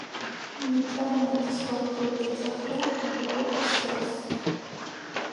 ნტერნეტს, ზოგჯერ ეძახიან, უბრალოდ „ქსელს“